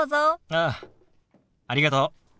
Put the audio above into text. ああありがとう。